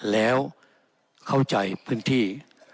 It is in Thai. แล้วเข้าใจพื้นที่